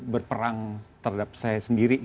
berperang terhadap saya sendiri